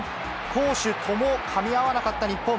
攻守ともかみ合わなかった日本。